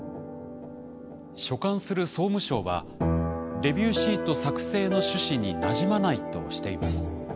所管する総務省は「レビューシート作成の趣旨になじまない」としています。